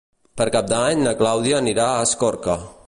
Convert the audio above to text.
Per Cap d'Any na Clàudia anirà a Escorca.